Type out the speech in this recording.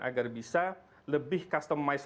agar bisa lebih customise